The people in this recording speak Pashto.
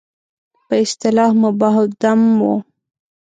په اصطلاح مباح الدم وو.